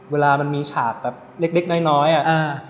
เวลามันมีฉากแบบเล็กน้อยอะ